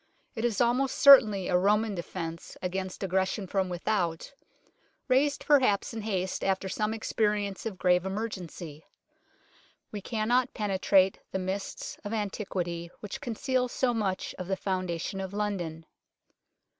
It is almost certainly a Roman defence against aggression from without, raised perhaps in haste after some experience of grave emergency. We cannot penetrate the mists of antiquity which conceal so much of the foundation of London.